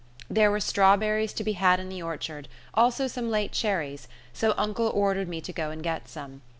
There were strawberries to be had in the orchard, also some late cherries, so uncle ordered me to go and get some.